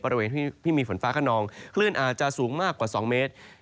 บริเวณที่มีฝนฟ้าขนองคลื่นอาจจะสูงมากกว่า๒เมตร